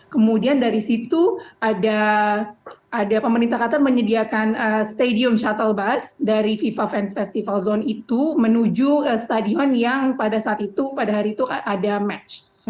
kemudian dari situ ada pemerintah qatar menyediakan stadium shuttle bus dari fifa fans festival zone itu menuju stadion yang pada saat itu pada hari itu ada match